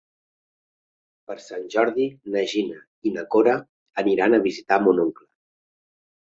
Per Sant Jordi na Gina i na Cora aniran a visitar mon oncle.